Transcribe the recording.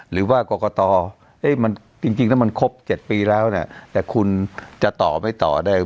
หรือว่ากรกตมันจริงถ้ามันครบ๗ปีแล้วเนี่ยแต่คุณจะต่อไม่ต่อได้